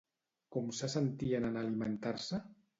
Com se sentien en alimentar-se?